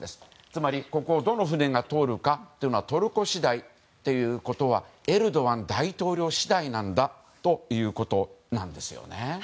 つまり、ここをどの船が通るかというのはトルコ次第ということはエルドアン大統領次第なんだということなんですよね。